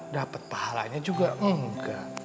dapet pahalanya juga enggak